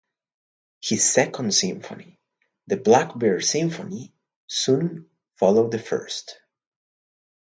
His Second Symphony, the "Blackbird Symphony", soon followed the first.